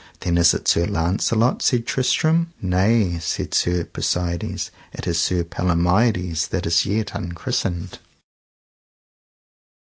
Then is it Sir Launcelot, said Tristram. Nay, said Sir Persides, it is Sir Palomides, that is yet unchristened.